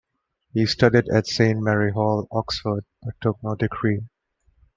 He studied at Saint Mary Hall, Oxford, but took no degree.